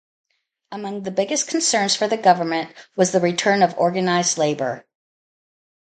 Among the biggest concerns for the government was the return of organized labor.